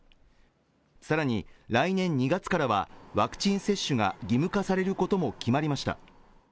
さらに来年２月からはワクチン接種が義務化されることも決まりました